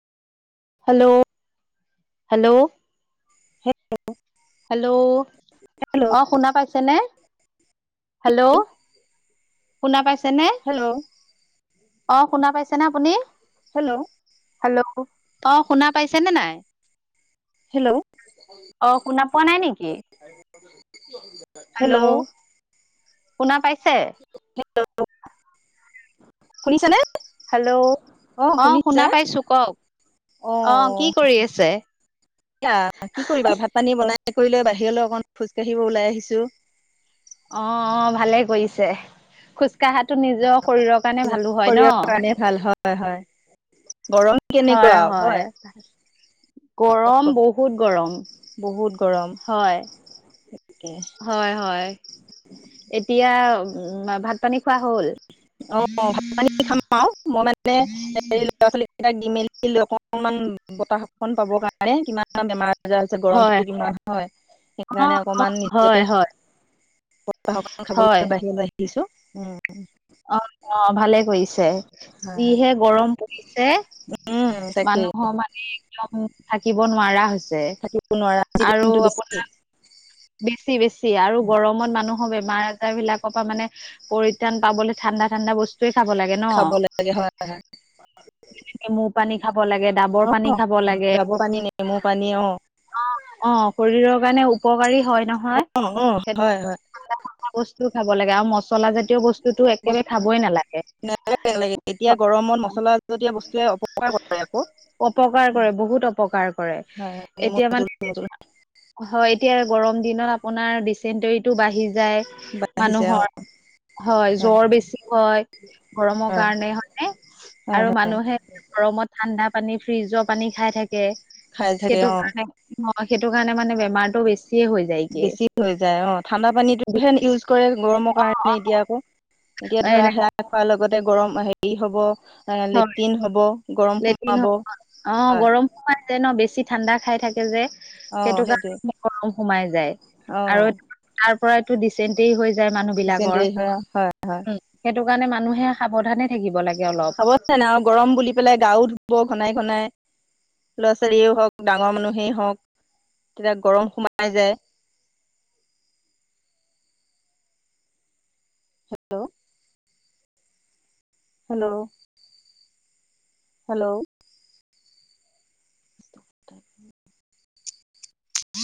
Hello hello. Hello hello অ শুনা পাইছেনে? হেল্ল' শুনা পাইছেনে? হেল্ল'। অঁ, শুনা পাইছে ন আপুনি? হেল্ল'। হেল্ল' অঁ, শুনা পাইছেনে নাই? হেল্ল' অ শুনা পোৱা নাই নেকি হেল্ল'। শুনা পাইছে? হেল্ল শুনিছানে? হেল্ল' অ শুনা পাইছো কওক? অ কি কৰি আছে? এয়া কি কৰিবা ভাত পানী বনাই কৰি লৈ বাহিৰলৈ অকমান খোজ কাঢ়িব ওলাই আহিছো। অ অ ভালে কৰিছে খোজ কাঢ়াটো নিজৰ শৰীৰৰ কাৰণে ভালো হয় ন। শৰীৰৰ কাৰণে ভাল হয় হয় গৰম হয় কেনেকুৱা হয় গৰম বহুত গৰম হয়। তাকে হয় হয় এতিয়া উ ভাত-পানী খোৱা হ'ল অ ভাত-পানী খাম আৰু মই মানে এই ল'ৰা ছোৱালী কেইটাক দি মেলি লৈ অকনমান বতাহ খন পাব কাৰণে মানে কিমান বেমাৰ আজাৰ হৈছে হয় গৰমটো কিমান হয় অ সেইকাৰণে অ অকমান হয় নিজকে হয় সপ্তাহৰ কাৰণে হয় খাবলৈ বাঢ়িয়ে বাঢ়ি দিছো উম অ অ ভালে কৰিছে হয় হয় যিহে গৰম পৰিছে। উম তাকেই এ একদম থাকিব নোৱাৰা হৈছে থাকিব নোৱাৰা আজি আৰু দিনটো বেছি আপোনাৰ বেছি বেছি আৰু গৰমত মানুহৰ বেমাৰ আজাৰ বিলাকৰ পৰা মানে পৰিত্ৰাণ পাবলৈ ঠাণ্ডা ঠাণ্ডা বস্তুৱে খাব লাগে ন। লাগে হয় হয় যেনেকে নেমুৰ পানী খাব লাগে, অ ডাবৰ পানী খাব লাগে ডাবৰ পানী নেমু পানী অ অ অ শৰীৰৰ কাৰণে উপকাৰী হয় নহয় অ অ সেত- হয় হয় বস্তুও খাব লাগে আৰু মছলা জাতীয় বস্তু বস্তু খোৱা [unintelligible] লাগে এতিয়া গৰমত মছলা জতীয়া বস্তুৱে অপকাৰ কৰে আক অপকাৰ কৰে বহুত অপকাৰ কৰে হয় নেমু এতিয়া জোল মানে নেমু জোল হয় এতিয়া গৰম দিনত আপোনাৰ ডিচেণ্টৰিটো বাঢ়ি যায় বাঢ়িছে অ মানুহৰ হয় জ্বৰ বেছি হয় গৰমৰ কাৰণে হয় হয় আৰু হয় মানুহে গৰমত ঠাণ্ডা পানী ফ্ৰিজৰ পানী খাই থাকে খাই থাকে সেইটো অ কাৰণে অ' সেইটো কাৰণে মানে বেমাৰটো বেছিয়ে হৈ যায়গে। বেছি হৈ যায় অ ঠাণ্ডা পানীটো হে ইউজ কৰে গৰমৰ অ অ কাৰণে এতিয়া আকৌ এতিয়া এ ধৰা সেয়া খোৱাৰ লগতে গৰম হেৰি হ'ব এ হয় লেট্ৰিন হ'ব, গৰম লেট্ৰিন সোমাব হ'ব অ' হয় গৰম সোমাই যায় ন? বেছি ঠাণ্ডা খাই থাকে যে অ সেইটো সেইটোৱে কাৰণে গৰম সোমাই যায়, অ আৰু তাৰ পৰাই টো ডিচেন্টেৰি হৈ যায় মানুহ বিলাকৰ। অ হয় হয় উ', সেইটো কাৰণে মানুহে সাৱধানে থাকিব লাগে অলপ। অৱশ্যে এনেকা গৰম বুলি পেলাই গা ও ধুব ঘনাই ঘনাই। ল'ৰা ছোৱালীয়েই হওঁক ডাঙৰ মানুহেই হওঁক তেতিয়া গৰম সোমাই যায়। হেল্ল' হেল্ল' হেল্ল' তাকেই